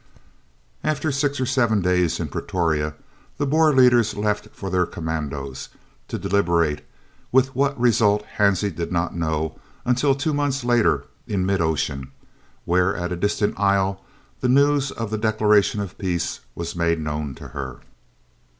After six or seven days in Pretoria the Boer leaders left for their commandos, to deliberate, with what result Hansie did not know until nearly two months later in mid ocean, where at a distant isle the news of the declaration of peace was made known to her.